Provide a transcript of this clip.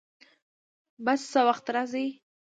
بس څه وخت راځي؟